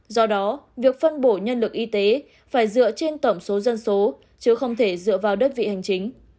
do đó việc phân bổ nhân lực y tế phải dựa trên tổng số dân số chứ không thể dựa vào đơn vị hành chính